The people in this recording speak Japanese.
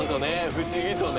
不思議とね」